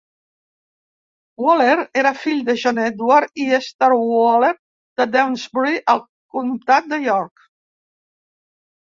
Waller era fill de John Edward i Esther Waller de Dewsbury, al comtat de York.